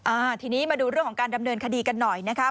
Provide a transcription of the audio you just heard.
อ่าทีนี้มาดูเรื่องของการดำเนินคดีกันหน่อยนะครับ